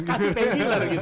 kasih painkiller gitu